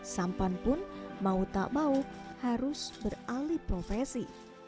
sampan pun mau tak mau harus beralih profesi